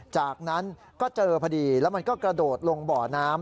จากนั้นก็เจอพอดีแล้วมันก็กระโดดลงบ่อน้ำ